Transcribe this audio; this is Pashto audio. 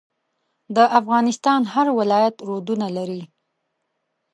د افغانستان هر ولایت رودونه لري.